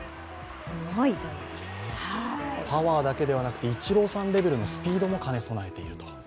パワーだけではなくてイチローさんレベルのスピードも兼ね備えていると。